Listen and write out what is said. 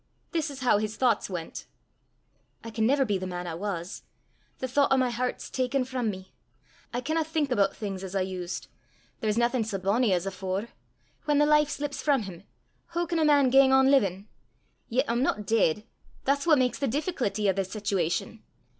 This is how his thoughts went: "I can never be the man I was! The thoucht o' my heart's ta'en frae me! I canna think aboot things as I used. There's naething sae bonnie as afore. Whan the life slips frae him, hoo can a man gang on livin'! Yet I'm no deid that's what maks the difficlety o' the situation!